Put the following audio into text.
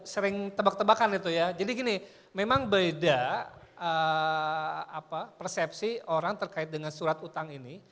sering tebak tebakan itu ya jadi gini memang beda persepsi orang terkait dengan surat utang ini